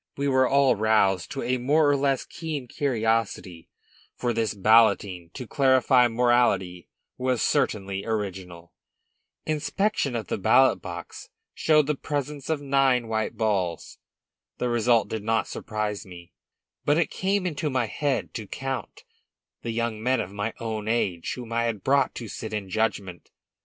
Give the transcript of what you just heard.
We were all roused to a more or less keen curiosity; for this balloting to clarify morality was certainly original. Inspection of the ballot box showed the presence of nine white balls! The result did not surprise me; but it came into my heard to count the young men of my own age whom I had brought to sit in judgment.